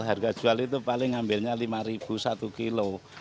harga jual itu paling ambilnya rp lima satu kilo